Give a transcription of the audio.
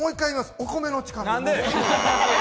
お米の力。